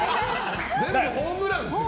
全部ホームランですよ。